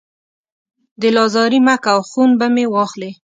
دل ازاري مه کوه، خون به مې واخلې